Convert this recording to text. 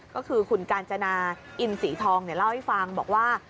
ก็คือคุณกาญจนาอินสีทองเล่าให้ฟังบอกว่า